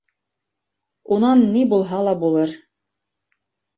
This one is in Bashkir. Унан ни булһа ла булыр.